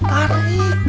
cepetan loh toh pih